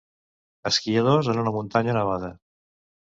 Esquiadors en una muntanya nevada.